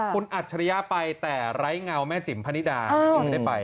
คุณอัจฉริยะไปแต่ไร้เงาแม่จิ๋มพนิดาแม่จิ๋มไม่ได้ไป